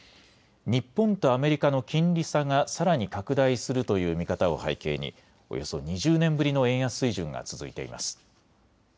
日本とアメリカの金利差がさらに拡大するという見方を背景におよそ２０年ぶりの円安水準が続いています。